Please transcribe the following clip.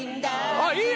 ・あっいいよ！